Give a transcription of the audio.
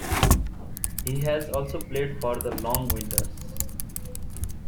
He has also played for The Long Winters.